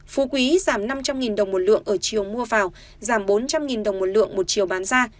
phú quý giảm năm trăm linh đồng một lượng ở triệu mua phào giảm bốn trăm linh đồng một lượng một triệu bán ra